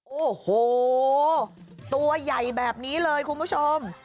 โอ้โหตัวใหญ่แบบนี้เลยคุณผู้ชม